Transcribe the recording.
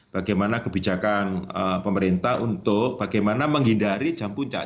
bagaimana kebijakan pemerintah untuk bagaimana menghindari jam puncak